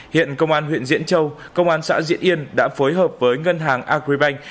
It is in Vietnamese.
hiện công an huyện diễn châu công an xã diễn yên đã phối hợp với ngân hàng agribank